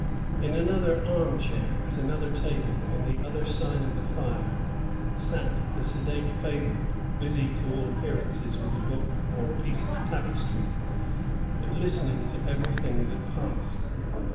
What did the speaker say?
In another arm chair, at another table on the other side of the fire, sat the sedate favorite, busy to all appearance ^tk a book or a piece of tapest^, but listening to everything that passed.